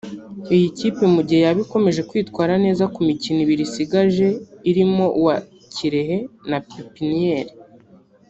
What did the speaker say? Iyi kipe mu gihe yaba ikomeje kwitwara neza ku mikino ibiri isigaje irimo uwa Kirehe na Pepiniere